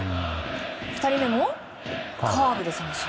２人目もカーブで三振。